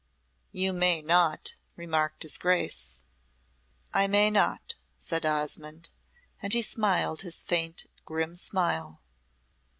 "You may not," remarked his Grace. "I may not," said Osmonde, and he smiled his faint, grim smile.